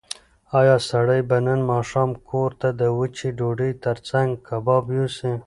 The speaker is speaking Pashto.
ایا سړی به نن ماښام کور ته د وچې ډوډۍ تر څنګ کباب یوسي؟